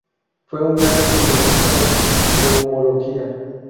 Fue un gran especialista en Neumología.